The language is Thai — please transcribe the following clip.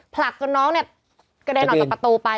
ผลักจนน้องเนี่ยกระเด็นออกจากประตูไป